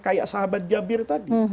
kayak sahabat jabir tadi